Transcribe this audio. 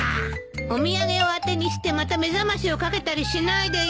お土産を当てにしてまた目覚ましをかけたりしないでよ。